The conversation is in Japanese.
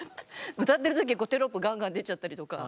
歌ってる時にテロップガンガン出ちゃったりとか。